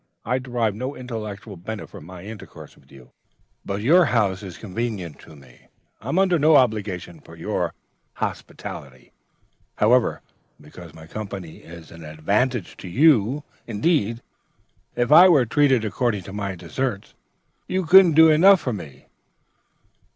I derive no intellectual benefit from my intercourse with you, but your house is convenient to me. I'm under no obligations for your hospitality, however, because my company is an advantage to you. Indeed, if I were treated according to my deserts, you couldn't do enough for me.'